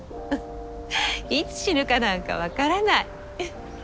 いつ死ぬかなんか分からない。